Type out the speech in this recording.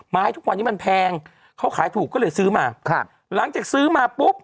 ให้ทุกวันนี้มันแพงเขาขายถูกก็เลยซื้อมาครับหลังจากซื้อมาปุ๊บ